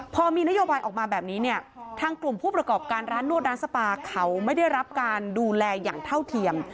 พอมีนโยบายออกมาแบบนี้เนี่ยทางกลุ่มผู้ประกอบการร้านนวดร้านสปาเขาไม่ได้รับการดูแลอย่างเท่าเทียม